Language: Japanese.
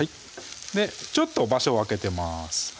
ちょっと場所を空けてます